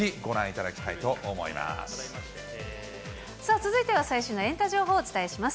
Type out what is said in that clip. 続いては最新のエンタ情報をお伝えします。